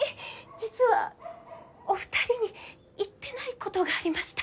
実はお二人に言ってないことがありました。